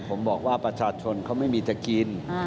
ผมบอกว่าประชาชนเขาไม่มีจะกิน